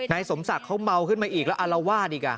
สมศักดิ์เขาเมาขึ้นมาอีกแล้วอารวาสอีก